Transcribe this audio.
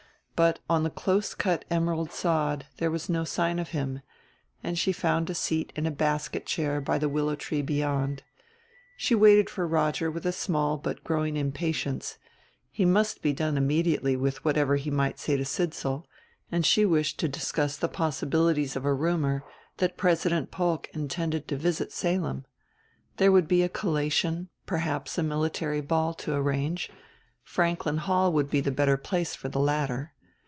But on the close cut emerald sod there was no sign of him, and she found a seat in a basket chair by the willow tree beyond. She waited for Roger with a small but growing impatience; he must be done immediately with whatever he might say to Sidsall, and she wished to discuss the possibilities of a rumor that President Polk intended to visit Salem. There would be a collation, perhaps a military ball, to arrange; Franklin Hall would be the better place for the latter.